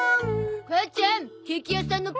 母ちゃんケーキ屋さんのポイント